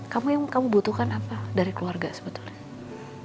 kamu yang kamu butuhkan apa dari keluarga sebetulnya